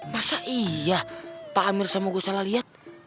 masa iya pak amir sama gue salah lihat